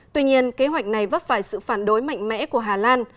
tuy nhiên kế hoạch này vấp phải sự phản đối mạnh mẽ của hà lan